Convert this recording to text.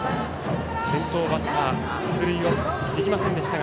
先頭バッター出塁できませんでした。